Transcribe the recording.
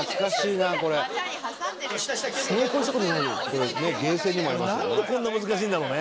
「なんでこんな難しいんだろうね」